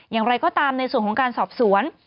อย่างไรก็ตามในส่วนของการสอบสวน